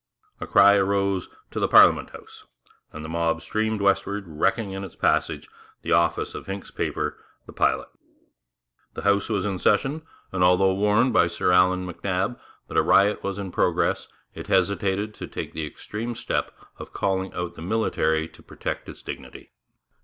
A cry arose, 'To the Parliament House!' and the mob streamed westward, wrecking in its passage the office of Hincks's paper the Pilot. The House was in session, and though warned by Sir Allan MacNab that a riot was in progress, it hesitated to take the extreme step of calling out the military to protect its dignity.